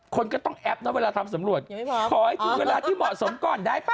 คนก็ต้องแอปนะเวลาทำสำรวจขอให้ถึงเวลาที่เหมาะสมก่อนได้ป่